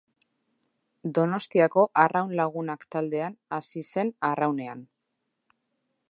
Donostiako Arraun Lagunak taldean hasi zen arraunean.